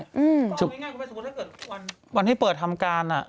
ต่อไม่ง่ายผมจะสมภูมิที่ว่าถ้าเกิดวันที่เปิดทำการ